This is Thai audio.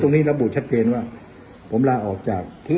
ตรงนี้เราบูดชัดเจนว่าผมลาออกจากเพื่อก